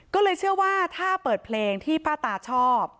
ก็เลยเชื่อว่าถ้าเปิดเพลงที่ป้าตาชอบ